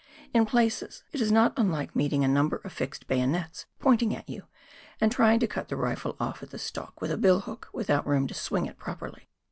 In places it is not unlike meeting a number of fixed bayonets pointing at you, and trying to cut the rifle off at the stock with a bill hook without room to swing it properly.